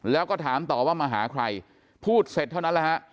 แล้วก็ถามต่อว่ามาหาใครพูดเสร็จเท่านั้นแหละฮะ